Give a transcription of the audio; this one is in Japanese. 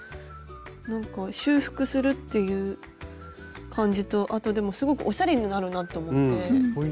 なんか修復するっていう感じとあとでもすごくおしゃれになるなと思って。